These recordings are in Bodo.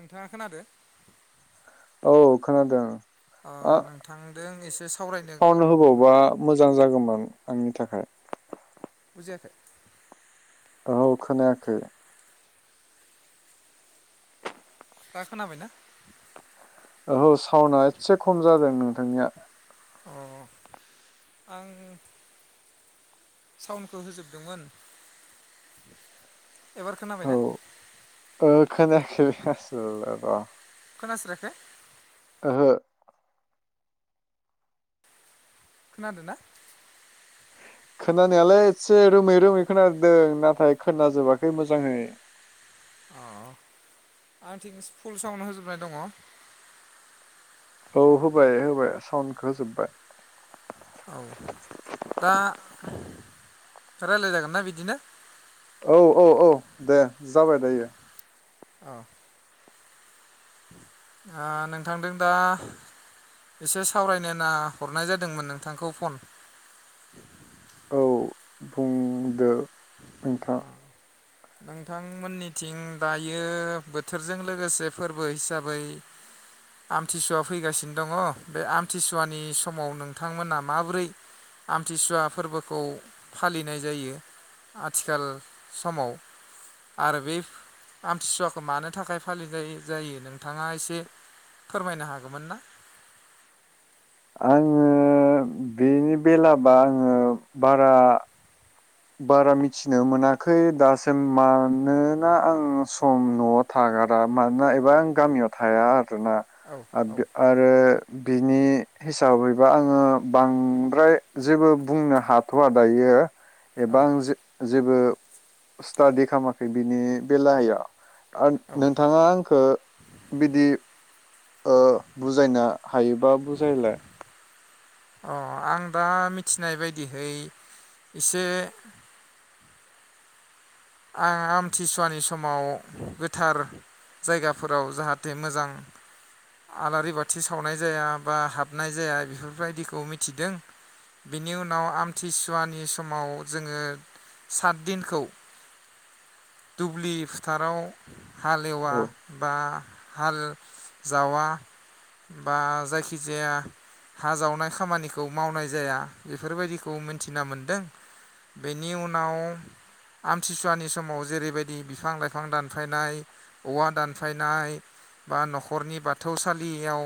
नोंथाङा खोनादो औ खोनादोंं अ ओ नोंथांदों एसे सावरायनो सावन कल हरनो होबावबा मोजां जागौमोन आंनि थाखाय बुजियाखै औ खोनायाखै दा खोनाबायना औहो साउण्डआ एसे खम जादों नोंथांनिया अ आं साउण्डखौ होजोबदोंमोन एबार खोनाबायना खोनायाखैलै आसोल र खोनास्रायाखै ओहो खोनादोंना खोनानायालाय एसे रोमै रोमै खोनादों नाथाय खोनाजोबाखै मोजाङै अ आंथिं फुल सावउण्ड होजोबनाय दङ औ होबाय होबाय साउन्दखौ होजोब्बाय औ दा रायलाय जागोनना बिदिनो औ औ औ दे जाबाय दायो अ ओ नोंथांदों दा एसे सावरायनो होना हरनाय जादोंमोन नोंथांखौ फन औ बुंदो नोंथां नोंथांमोननिथिं दायो बोथोरजों लोगोसे फोरबो हिसाबै आमथिसुवा फैगासिनो दङ बे आमथिसुवानि समाव नोंथांमोना माब्रै आमथिसुवा फोरबोखौ फालिनाय जायो आथिखाल समाव आरो बे आमथिसुवाखौ मानो थाखाय फालिनाय जायो नोंथाङा एसे फोरमायनो हागोमोन ना आङो बेनि बेलाबा आङो बारा बारा मिथिनो मोनाखै दासिम मानोना आं सम नआव थागारा मानोना एबा आं गामियाव थाया आरो औ औ [unintelligible] आरो बिनि हिसाबैबा आङो बांद्राय जेबो बुंनो हाथवा दायो। एबा औ आं जे जेबो स्टादि खामाखै बिनि बेलायाव आं औ नोंथाङा आंखो बिदि ओ बुजायनो हायोबा बुजायलाय। अ आं दा मिथिनाय बायदिहै इसे आं आमथिसुवानि समाव गोथार जायगाफोराव जाहाथे मोजां आलारि बाथि सावनाय जाया बा हाबनाय जाया बेफोरबायदिखौ मिथिदों बेनि उनाव आमथिसुवानि समाव जोङो सात दिनखौ दुब्लि फोथाराव हालेवा औ बा हाल जावा बा जायखिजाया हा जावनाय खामानिखौ मावनाय जाया बेफोरबायदिखौ मिनथिना मोनदों बेनि उनाव आम आमथिसुवानि समाव जेरैबायदि बिफां लाइफां दानफायनाय औवा दानफायनाय बा नखरनि बाथौसालियाव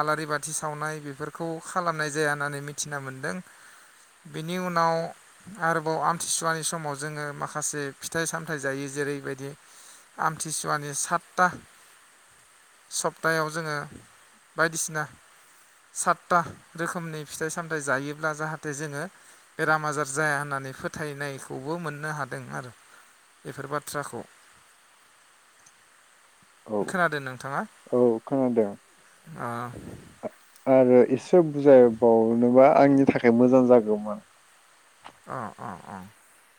आलारि बाथि सावनाय बेफोरखौ खालामनाय जाया होननानै मिथिना मोनदों बेनि उनाव आरोबाव आमथिसुवानि समाव जोङो मा माखासे फिथाइ सामथाइ जायो जेरैबायदि आमथिसुवानि साथता सप्तायाव जोङो बायदिसिना साथता रोखोमनि फिथाइ सामथाइ जायोब्ला जाहाथे जोङो बेराम आजार जाया होननानै फोथायनायखौबो मोननो हादों। दों आरो बेफोर बाथ्राखौ औ खोनादों औ खोनादों। आ आ आरो एसे बुजायबावनोबा आंनि थाखाय मोजां जागौमोन। अ अ अ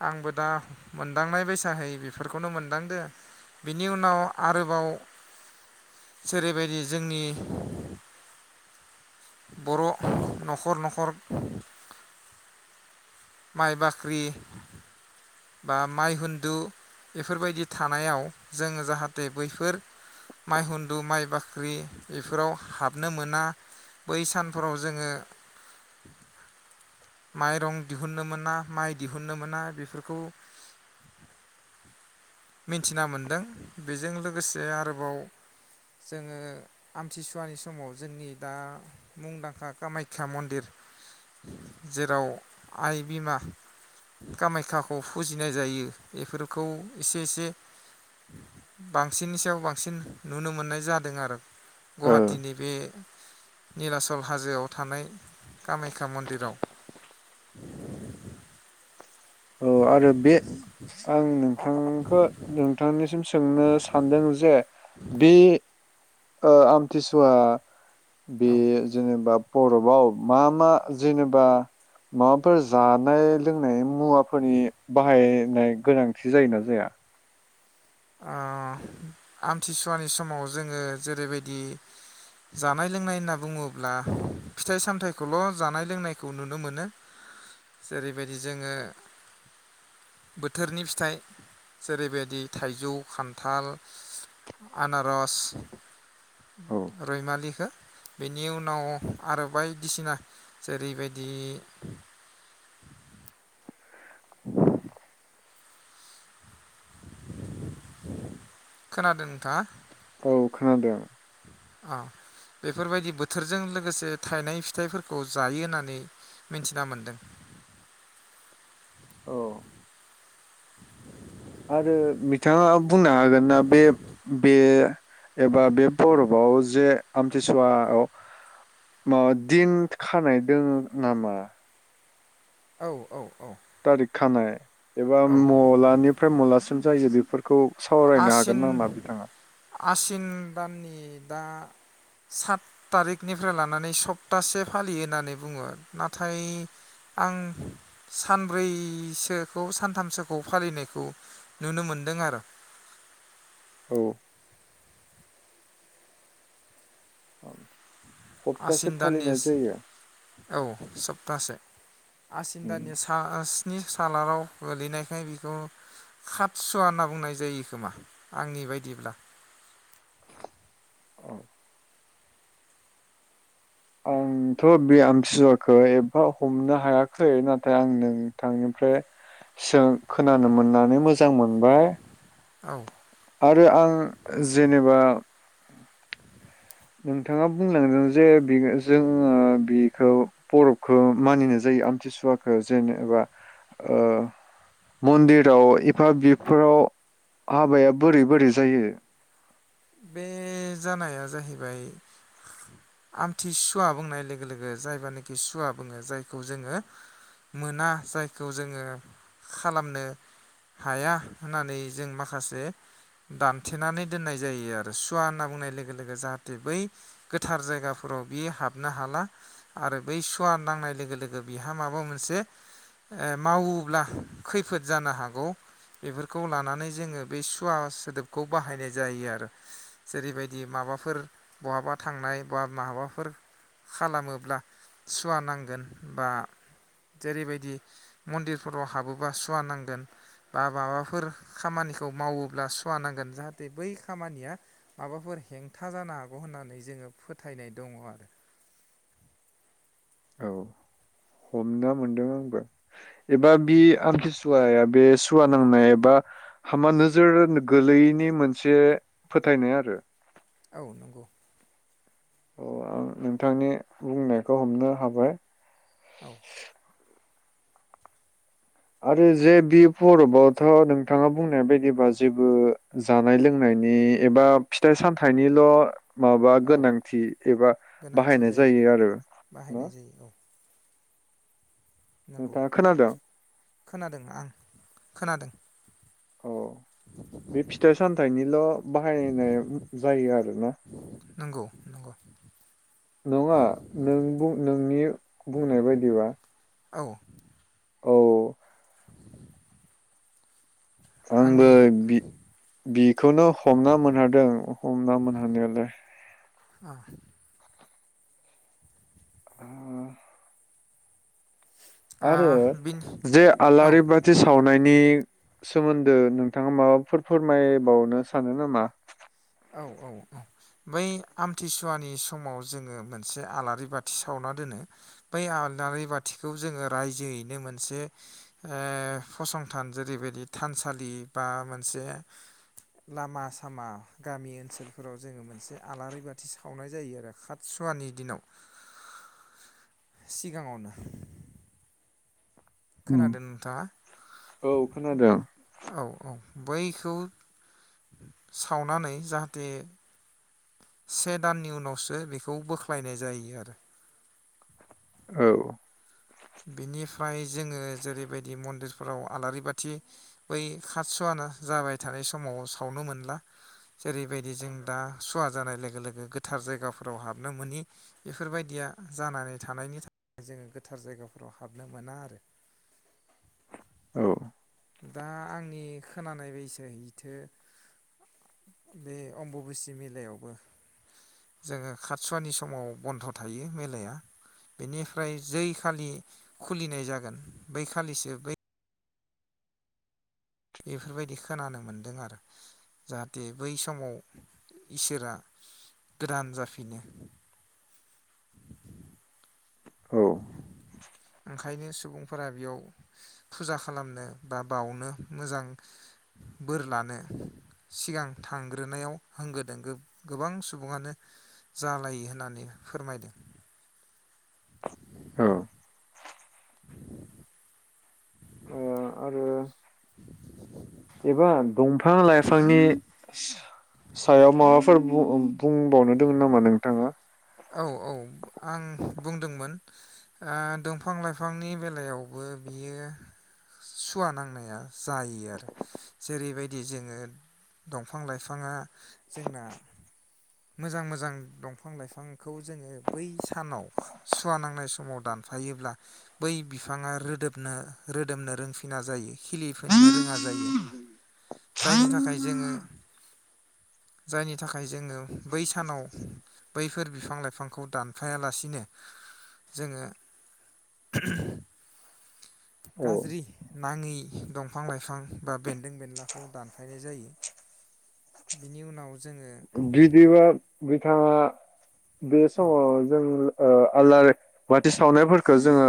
आंबो दा मोनदांनाय बायसाहै बेफोरखौनो मोनदांदो बिनि उनाव आरोबाव जेरैबायदि जोंनि बर नखर नखर माइ बाख्रि बा माइहुन्दु बेफोरबायदि थानायाव जोङो जाहाथे बैफोर माइहुन्दु माइ बाख्रि बेफोराव हाबनो मोना बै सानफोराव जोङो माइरं दिहुननो मोना माइ दिहुननो मोना बेफोरखौ मिथिना मोनदों बेजों लोगोसे आरोबाव जोङो आमथिसुवानि समाव जोंनि दा मुंदांखा कामाख्या मन्दिर जेराव आइ बिमा कामाख्याखौ फुजिनाय जायो बेफोरखौ एसे एसे बांसिननि सायाव बांसिन नुनो मोननाय जादों आरो। गुवाहाटिनि बे निलाचल हाजोआव थानाय कामाख्या मन्दिराव। औ आरो बे आं आंखो नोंथांनिसिम सोंनो सानदों जे बे ओ आमथिसुआ बे औ जेनेबा बरफआव मा मा जेनेबा माबाफोर जानाय लोंनाय मुवाफोरनि बाहायनाय गोनांथि जायोना जाया? आ आमथिसुवानि समाव जोङो जेरैबायदि जानाय लोंनाय होनना बुङोब्ला फिथाइ सामथायाइखौल' जानाय लोंनायखौ नुनो मोनो जेरैबायदि जोङो बोथोरनि फिथाइ जेरैबायदि थाइजौ खान्थाल आनारस औ रयमालिखो बेनि उनाव आरो बायदिसिना जेरैबायदि खोनादों नोंथाङा? औ खोनादों। ओ बेफोरबायदि बोथोरजों लोगोसे थायनाय फिथाइफोरखौ जायो होननानै मिथिना मोनदों। औ आरो बिथाङा बुंनो हागोन ना बे बे एबा बे बरफआव जे आमथिसुवायाव माबा दिन खानाय दोङो नामा? औ औ औ तारिख खानाय एबा औ मलानिफ्राय मुलासिम जायो बेफोर आसिन आसिन दाननि दा सात थारिखनिफ्राय लानानै सप्तासे फालियो होननानै बुङो नाथाय आं सानब्रैसोखौ सानथामसोखौ फालिनायखौ नुनो मोनदों आरो। औ [unintelligible] आसिन दाननि फालिनाय जायो औ सप्तासे। आसिन उम, दाननि सास नि सालागाव गोलैनायखाय बेखौ खादसुवा होनना बुंनाय जायो खोमा आंनि बायदिब्ला। अ आंथ बे आमथिसुवाखौ एफा हमनो हायाखै नाथाय आं नोंथांनिफ्राय सों खोनानो मोननानै मोजां मोनबाय। औ आरो आं जेनेबा नोंथाङा बुंलांदों जे बि जोङो बेखौ बरबखौ मानिनाय जायो आमथिसुवाखौ जेनेबा ओ मन्दिराव एफा बेफोराव हाबाया बोरै बोरै जायो? बे जानाया जाहैबाय आमथि सुवा बुंनाय लोगो लोगो जायबानोखि सुवा बुङो जायखौ जोङो मोना जायखौ जोङो खालामनो हाया होननानै जों माखासे दानथेनानै दोननाय जायो आरो सुवा होनना बुंनाय लोगो लोगो जाहाथे बै गोथार जायगाफोराव बियो हाबनो हाला आरो बै सुवा नांनाय लोगो लोगो बिहा माबा मोनसे मावोब्ला खैफोद जानो हागौ बेफोरखौ लानानै जोङो बेै सुवा सोदोबखौ बाहायनाय जायो आरो। जेरैबायदि माबाफोर बहाबा थांनाय बा माबाफोर खालामोब्ला सुवा नांगोन बा जेरैबायदि मन्दिरफोराव हाबोबा सुवा नांगोन बा माबाफोर खामानिखौ मावोब्ला सुवा नांगोन जाहाथे बै खामानिया माबाफोर हेंथा जानो हागौ होननानै जोङो फोथायनाय दङ आरो। औ हमना मोनदों आंबो। एबा बि आमखिस सुवाया बे सुवा नांनाय एबा हामा नोजोर गोलैयैनि मोनसे फोथायनाय आरो। औ नंगौ। अ आं नोंथांनि बुंनायखौ हमनो हाबाय। औ आरो जे बि फरबोआवथ नोंथाङा बुंनाय बायदिबा जेबो जानाय लोंनायनि एबा फिथाइ सामथाइनिल माबा औ गोनांथि एबा बाहायनाय जायो आरो न बाहायनाय जायो औ नंगौ नोंथाङा खोनादों? खोनादों आं खोनादों। औ बे फिथाइ सामथाइनिल बाहायनाय जायो आरो न? नंग' नङा नों बुं नोंनि बुंनाय बायदिबा औ औ आंबो आंनि बि बिखौनो हमना मोनहादों हमना मोनहानायालाय। आ आ आरो बिनि जे औ आलारि बाथि सावनायनि सोमोन्दो नोंथाङा माबाफोर फोरमायबावनो सानो नामा? औ औ औ बै आमथिसुवानि समाव जोङो मोनसे आलारि बाथि सावना दोनो बै आलारि बाथिखौ जोङो रायजोयैनो मोनसे ओ फसंथान जेरैबायदि थानसालि बा मोनसे लामा सामा गामि ओनसोलफोराव जोङो मोनसे आलारि बाथि सावनाय जायो आरो खातसुवानि दिनाव सिगाङावनो। खोनादो नोंथाङा औ खोनादों औ औ बैखौ सावनानै जाहाथे से दाननि उनावसो बेखौ बोख्लायनाय जायो आरो। औ फोराव आलारि बाथि बै खात सुव ना जाबाय थानाय समाव सावनो मोनला जेरै बायदि जों दा सुवा जानाय लोगो लोगो गोथार जायगाफोराव हाबनो मोनि बेफोर बायदिया जानानै थानायनि थाखाय जोङो गोथार जायगा फोराव हाबनो मोना आरो। औ दा आंनि खोनानाय बायसो बिथो बे अम्बुुबुसि मेलायावबो जोङो खातसुवानि समाव बन्द थायो मेलाया बेनिफ्राय जै खालि खुलिनाय जागोन बै खालिसो बै बेफोरबायदि खोनानो मोन्दों आरो जाहाथे बै समाव इसोरा गोदान जाफिनो। औ ओंखायनो सुबुं फोरा बेयाव फुजा खालामनो बा बावनो मोजां बोर लानो सिगां थांग्रोनायाव होंगो दोंगो गोबां सुबुङानो जालायो होननानै फोरमायदों। औ ओ आरो एबा दंफां लाइफांनि सा-सायाव माबाफोर बुं-बुंबावनो दोङ नामा नोंथाङा? औ औ आं बुंदोंमोन ओ दंफां लाइफांनि बेलायावबो बियो सुवा नांनाया जायो आरो जेरैबायदि जोङो दंफां लाइफाङा जोंना मोजां मोजां दंफां लाइफां खौ जोङो बै सानाव सुवा नांनाय समाव दानफायोब्ला बै बिफाङा रोदोमनो रोदोमनो रोंफिना जायो खिलिफिननो रोङा जायो जायनि थाखाय जोङो जायनि थाखाय जोङो बै सानाव बैफोर बिफां लाइफांखौ दानफायालासिनो जोङो औ गाज्रि नाङै दंफां लाइफां बा बेन्दों बेनलाखौ दानफायनाय जायो बिनि उनाव जोङो बिदिबा बिथाङा बे औ समाव जोङो ओ आलारि बाथि सावनायफोरखौ जोङो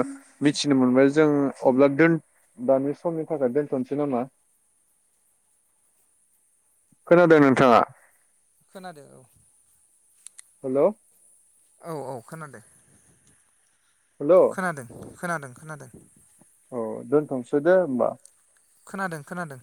मिथिनो मोनबाय जों अब्ला दोन दानि समनि थाखाय दोनथसै नामा, खोनादों नोंथाङा? खोनादो औ। हेल औ औ खोनादों। हेल' खोनादों। खोनादों खोनादों। औ दोनथनिसै दे होमबा? खोनादों खोनादों।